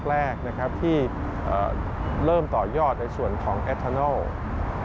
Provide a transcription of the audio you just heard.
ก็เป็นลายแรกที่เริ่มต่อยอดในส่วนของแอธานัล